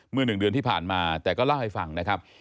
๑เดือนที่ผ่านมาแต่ก็เล่าให้ฟังนะครับ